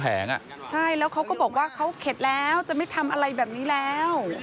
ใช่แล้วเขาก็บอกว่าเขาเข็ดแล้วจะไม่ทำอะไรแบบนี้แล้ว